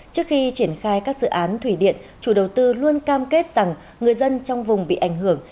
trước khi triển khai các dự án thủy điện chủ đầu tư luôn cam kết rằng người dân trong vùng bị ảnh hưởng